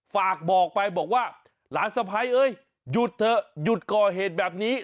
ฝากบอกไปบอกว่าหลานสะพ้ายเอ้ยหยุดเถอะหยุดก่อเหตุแบบนี้